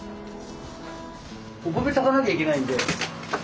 お米炊かなきゃいけないんで。